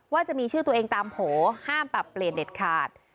ว่าจะมีชื่อตัวเองตามโผล่ห้ามปรับเปลี่ยนเด็ดขาด